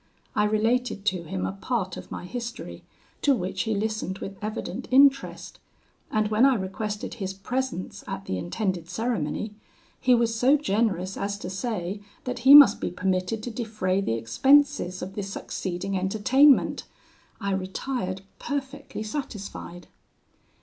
I related to him a part of my history, to which he listened with evident interest; and when I requested his presence at the intended ceremony, he was so generous as to say, that he must be permitted to defray the expenses of the succeeding entertainment. I retired perfectly satisfied.